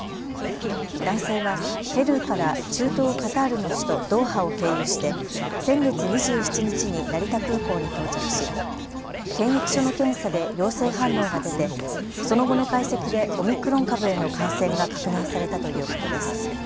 男性はペルーから中東カタールの首都ドーハを経由して先月２７日に成田空港に到着し検疫所の検査で陽性反応が出てその後の解析でオミクロン株への感染が確認されたということです。